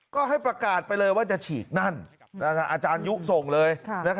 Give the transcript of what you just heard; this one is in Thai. ก็ให้ประกาศไปเลยว่าจะฉีกนั่นอาจารยุส่งเลย